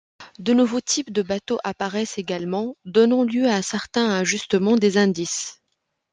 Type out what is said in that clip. De nouveaux types de bateaux apparaissent également, donnant lieu à certains ajustement des indices.